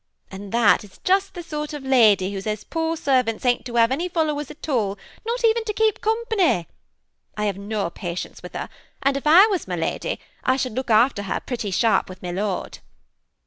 And that is just the sort of lady who says poor servants ain't to have any followers at all, not even to keep company. I have no patience with her ; and if I was my lady, I should look after her pretty sharp w4th my lord."